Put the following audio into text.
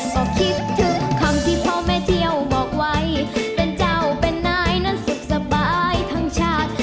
ก็คิดถึงคำที่พ่อแม่เที่ยวบอกไว้เป็นเจ้าเป็นนายนั้นสุขสบายทั้งชาติ